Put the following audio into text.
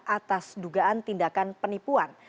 atas dugaan tindakan penipuan